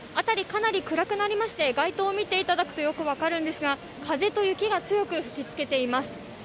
辺り、かなり暗くなりまして、街灯を見ていただくとよく分かるんですが、風と雪が強く吹きつけています。